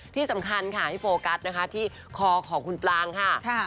ที่สำคัญค่ะให้โฟกัสนะคะที่คอของคุณปลางค่ะ